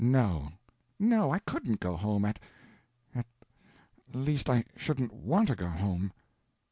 No, no, I couldn't go home, at—at—least I shouldn't want to go home."